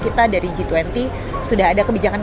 kita dari g dua puluh sudah ada kebijakan